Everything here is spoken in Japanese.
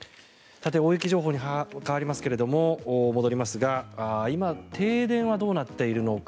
さて、大雪情報に戻りますが今、停電はどうなっているのか。